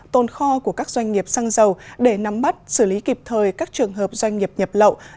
tồn kho của các doanh nghiệp xăng dầu để nắm bắt xử lý kịp thời các trường hợp doanh nghiệp nhập lậu